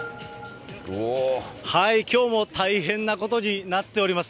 きょうも大変なことになっております。